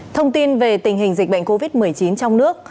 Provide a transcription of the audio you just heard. thông tin về tình hình dịch bệnh covid một mươi chín trong nước